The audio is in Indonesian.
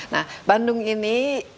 nah bandung ini